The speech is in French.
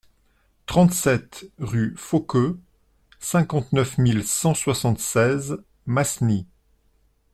trente-sept rue Fauqueux, cinquante-neuf mille cent soixante-seize Masny